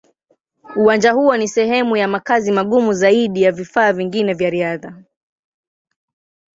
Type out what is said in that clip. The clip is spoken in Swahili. Uwanja huo ni sehemu ya makazi magumu zaidi ya vifaa vingine vya riadha.